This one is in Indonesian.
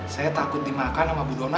saya takut dimakan sama bu dona